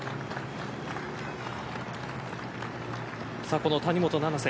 この谷本七星。